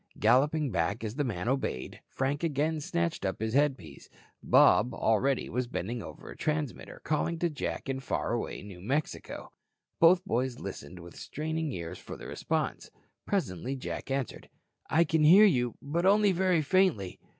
Galloping back, as the man obeyed, Frank again snatched up his headpiece. Bob already was bending over a transmitter, calling to Jack in faraway New Mexico. Both boys listened with straining ears for the response. Presently Jack answered: "I can hear you, but only very faintly.